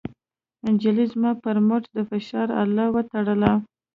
نجلۍ زما پر مټ د فشار اله وتړله.